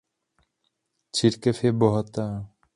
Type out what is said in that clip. Církev je bohatá.